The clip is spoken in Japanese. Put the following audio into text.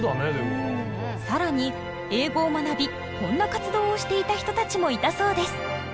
更に英語を学びこんな活動をしていた人たちもいたそうです。